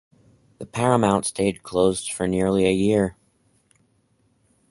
The Paramount stayed closed for nearly a year.